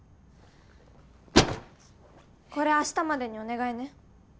これ明日までにお願いね。